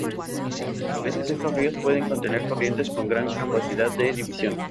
A veces estos ríos pueden contener corrientes con gran capacidad de división.